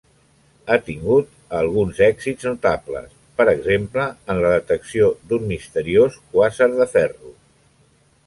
Ha tingut alguns èxits notables, per exemple en la detecció d'un misteriós 'quàsar de ferro'.